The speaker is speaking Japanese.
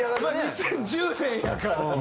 ２０１０年やから。